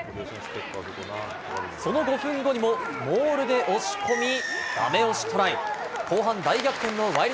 その５分後にもボールで押し込み、だめ押しトライ。